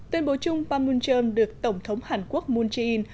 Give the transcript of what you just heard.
tuyên bố chung panmunjom được tổng thống hàn quốc moon jae in